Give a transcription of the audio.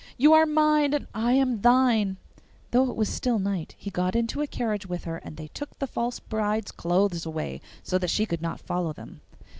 You are mine, and I am thine.' Though it was still night, he got into a carriage with her, and they took the false bride's clothes away, so that she could not follow them.